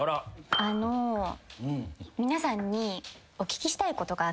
あの皆さんにお聞きしたいことがあって。